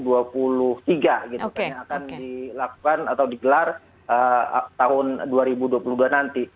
yang akan dilakukan atau digelar tahun dua ribu dua puluh dua nanti